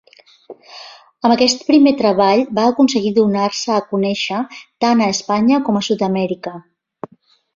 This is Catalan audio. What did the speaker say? Amb aquest primer treball va aconseguir donar-se a conèixer tant a Espanya com a Sud-amèrica.